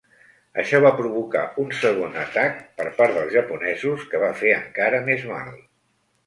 Això va provocar uns segon atac per part dels japonesos que va fer encara més mal.